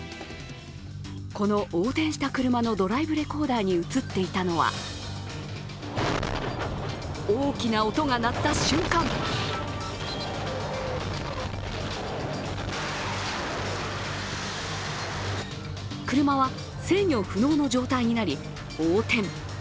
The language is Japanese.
この横転した車のドライブレコーダーに映っていたのは大きな音が鳴った瞬間車は制御不能の状態になり、横転。